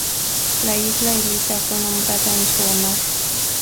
La isla Eliza fue nombrada en su honor.